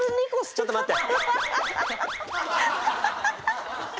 ちょっと待って。